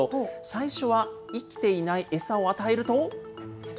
最初は生きていない餌を与えると。